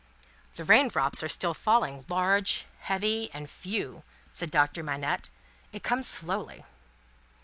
"The rain drops are still falling, large, heavy, and few," said Doctor Manette. "It comes slowly."